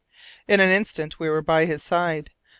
In an instant we were by his side.